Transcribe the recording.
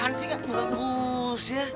apaan sih gak bagus ya